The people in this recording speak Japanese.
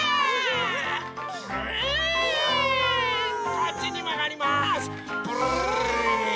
こっちにまがります。